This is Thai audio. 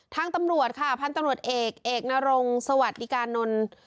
ทางตำรวจค่ะพันธุ์ตำรวจเอกเอกนรงสวัสดิกานนท์